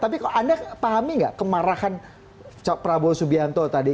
tapi kok anda pahami nggak kemarahan prabowo subianto tadi